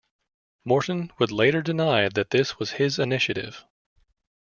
Morton would later deny that this was his initiative.